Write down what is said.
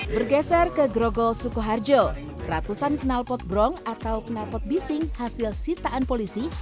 bergeser ke grogo suku harjo ratusan kenalpot bronk atau kenalpot bising hasil sitaan polisi